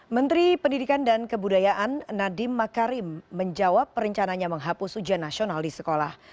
menteri pendidikan dan kebudayaan nadiem makarim menjawab perencananya menghapus ujian nasional di sekolah